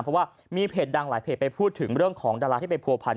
เพราะว่ามีเพจดังหลายเพจไปพูดถึงเรื่องของดาราที่ไปผัวพันธ